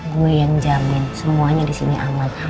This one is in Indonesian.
gue yang jamin semuanya di sini aman